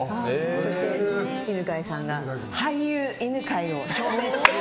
そして、犬飼さんが俳優・犬飼を。